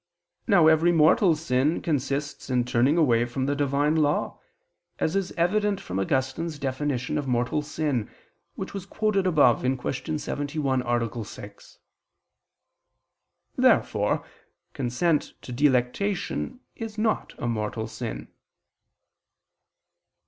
Now every mortal sin consists in turning away from the Divine law, as is evident from Augustine's definition of mortal sin, which was quoted above (Q. 71, A. 6). Therefore consent to delectation is not a mortal sin.